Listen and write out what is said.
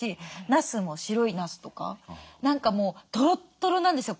なすも白いなすとか何かもうトロットロなんですよ。